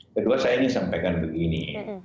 kedua saya ingin sampaikan begini